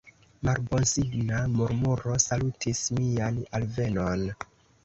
Malbonsigna murmuro salutis mian alvenon.